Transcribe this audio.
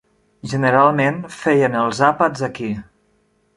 Generalment feien els àpats aquí.